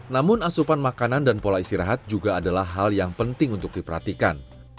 namun asupan makanan dan pola istirahat juga adalah hal yang penting untuk diperhatikan